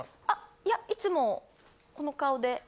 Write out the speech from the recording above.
あっいやいつもこの顔で。